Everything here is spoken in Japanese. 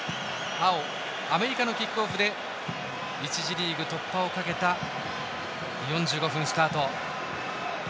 青、アメリカのキックオフで１次リーグ突破をかけた４５分、スタート。